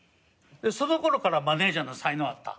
その頃からマネジャーの才能あった。